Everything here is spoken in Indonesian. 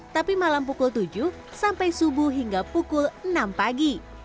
tapi malam pukul tujuh sampai subuh hingga pukul enam pagi